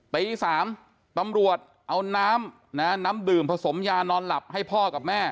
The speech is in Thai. ตี๓ตำรวจเอาน้ำน้ำดื่มผสมยานอนหลับให้พ่อกับแม่